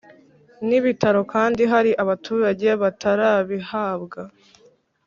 N ibitaro kandi hari abaturage batarabihabwa